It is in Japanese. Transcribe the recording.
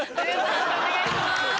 判定お願いします。